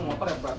motor yang praktis